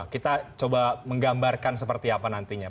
kita coba menggambarkan seperti apa nantinya